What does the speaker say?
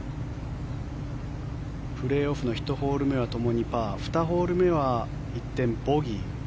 プレーオフの１ホール目はともにパー２ホール目は一転ボギー。